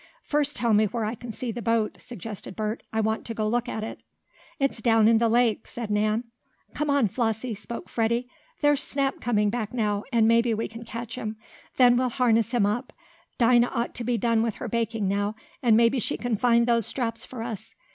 "First tell me where I can see the boat," suggested Bert. "I want to go look at it." "It's down in the lake," said Nan. "Come on, Flossie," spoke Freddie. "There's Snap coming back now, and maybe we can catch him. Then we'll harness him up. Dinah ought to be done with her baking now, and maybe she can find those straps for us.